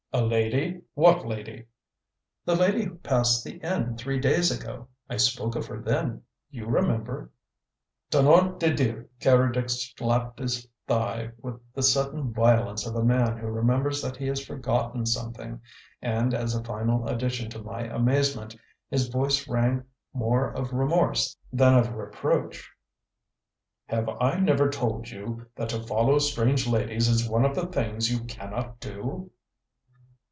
"A lady! What lady?" "The lady who passed the inn three days ago. I spoke of her then, you remember." "Tonnerre de Dieu!" Keredec slapped his thigh with the sudden violence of a man who remembers that he has forgotten something, and as a final addition to my amazement, his voice rang more of remorse than of reproach. "Have I never told you that to follow strange ladies is one of the things you cannot do?"